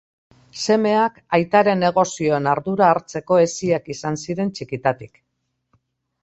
Semeak aitaren negozioen ardura hartzeko heziak izan ziren txikitatik.